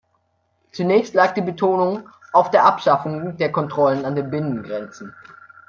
Zunächst lag die Betonung auf der Abschaffung der Kontrollen an den Binnengrenzen.